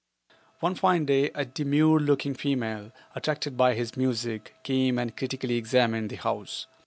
One fine day a demure looking female, attracted by his music, came and critically examined the house.